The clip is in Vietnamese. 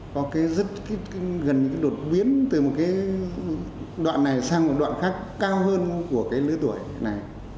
có cái rất gần những cái đột biến từ một cái đoạn này sang một đoạn khác cao hơn của cái lứa tuổi này